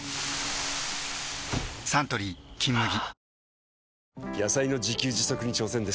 サントリー「金麦」